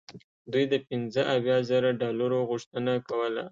دوی د پنځه اویا زره ډالرو غوښتنه کوله.